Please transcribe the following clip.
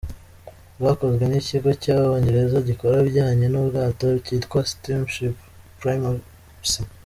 Bwakozwe n’Ikigo cy’Abongereza gikora ibijyanye n’ubwato cyitwa ‘Steamship Primacy’.